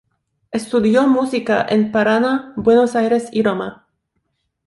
Estudió música en Paraná, Buenos Aires y Roma.